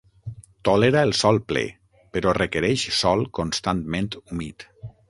Tolera el sol ple, però requereix sòl constantment humit.